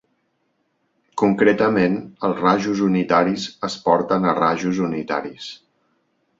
Concretament, els rajos unitaris es porten a rajos unitaris.